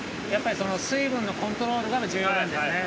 ◆水分のコントロールが重要なんですね。